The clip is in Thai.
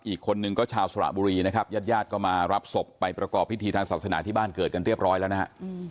อีกคนนึงก็ชาวสระบุรีนะครับญาติญาติก็มารับศพไปประกอบพิธีทางศาสนาที่บ้านเกิดกันเรียบร้อยแล้วนะฮะ